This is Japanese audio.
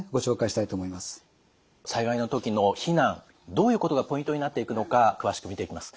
災害の時の避難どういうことがポイントになっていくのか詳しく見ていきます。